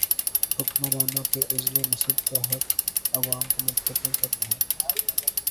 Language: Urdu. حکمرانوں کے عزل و نصب کا حق عوام کو منتقل کرنا ہے۔